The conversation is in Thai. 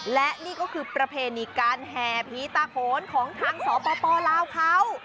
และนี่ก็คือประเพณีการแห่ผีตาโขนของทางสปลาวเขา